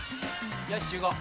よし集合。